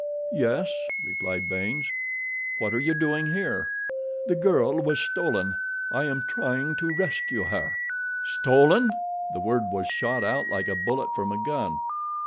"Yes," replied Baynes. "What are you doing here?" "The girl was stolen—I am trying to rescue her." "Stolen!" The word was shot out like a bullet from a gun.